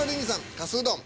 「かすうどん」。